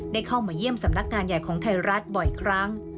เข้ามาเยี่ยมสำนักงานใหญ่ของไทยรัฐบ่อยครั้ง